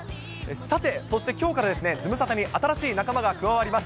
さて、そしてきょうからズムサタに、新しい仲間が加わります。